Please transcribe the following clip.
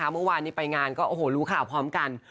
เมื่อวานนี้ไปงานก็โอ้โหรู้ข่าวพร้อมกัน